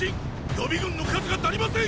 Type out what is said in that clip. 予備軍の数が足りません！